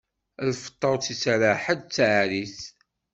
Lfeṭṭa ur tt-ittara ḥedd d taɛrit.